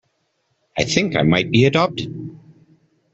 I think I might be adopted.